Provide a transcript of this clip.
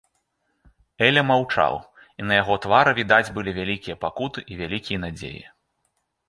Эля маўчаў, і на яго твары відаць былі вялікія пакуты і вялікія надзеі.